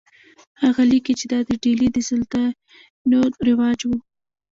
هغه لیکي چې دا د ډیلي د سلاطینو رواج و.